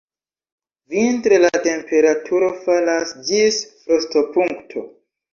Vintre la temperaturo falas ĝis frostopunkto.